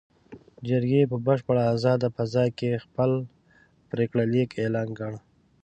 جرګې په بشپړه ازاده فضا کې خپل پرېکړه لیک اعلان کړ.